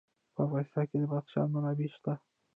په افغانستان کې د بدخشان منابع شته.